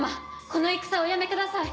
この戦おやめください。